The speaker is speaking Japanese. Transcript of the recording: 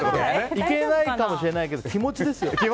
行けないかもしれないけど気持ちですよ。